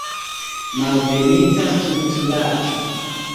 Malbenita stultulaĉo.